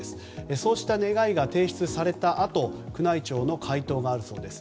そうした願いが提出されたあと宮内庁の回答があるそうです。